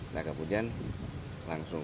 nah kemudian langsung